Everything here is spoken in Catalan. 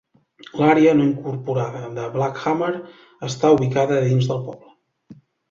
L'àrea no incorporada de Black Hammer està ubicada dins del poble.